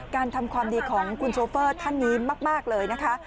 ทำความดีของคุณโชเฟอร์ท่านนี้มากเลยนะคะ